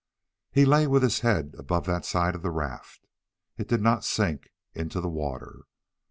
He lay with his head above that side of the raft. It did not sink into the water.